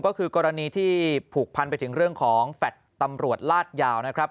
ก็คือกรณีที่ผูกพันไปถึงเรื่องของแฟลต์ตำรวจลาดยาวนะครับ